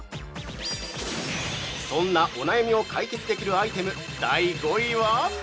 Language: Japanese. そんなお悩みを解決できるアイテム、第５位は？